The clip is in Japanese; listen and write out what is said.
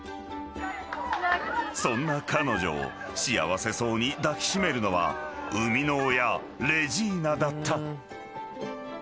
［そんな彼女を幸せそうに抱き締めるのは生みの親レジーナだった］